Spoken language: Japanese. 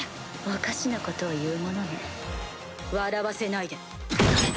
おかしなことを言うものね笑わせないで。